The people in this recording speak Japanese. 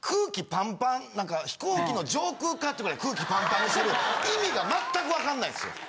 なんか飛行機の上空かってぐらい空気パンパンにする意味が全くわかんないですよ。